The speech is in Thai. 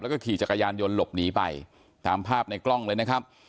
แล้วก็ขี่จักรยานยนต์หลบหนีไปตามภาพในกล้องเลยนะครับ